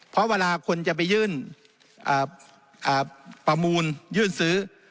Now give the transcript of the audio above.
เพราะเวลาคนจะไปยื่นประมูลยื่นซื้อ